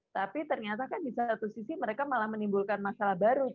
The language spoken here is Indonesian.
tapi ternyata kan di satu sisi mereka malah menimbulkan masalah baru